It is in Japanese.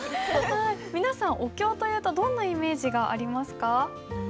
皆さんお経というとどんなイメージがありますか？